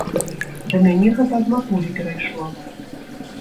Да мяне гэта ад матулі перайшло.